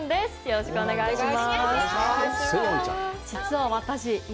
よろしくお願いします。